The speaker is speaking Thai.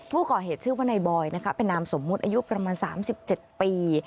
ผู้ก่อเหตุชื่อว่านายบอยนะคะเป็นนามสมมุติอายุประมาณ๓๗ปี